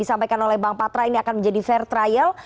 disampaikan oleh bang patra ini akan menjadi fair trial